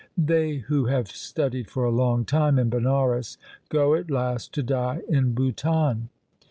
They who have studied for a long time in Banaras go at last to die in Bhutan.